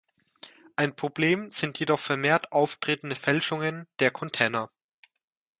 Ein Problem sind jedoch vermehrt auftretende Fälschungen der Container.